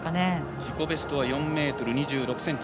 自己ベストは４ｍ２６ｃｍ。